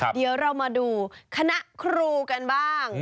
เดี๋ยวเรามาดูคณะครูกันบ้าง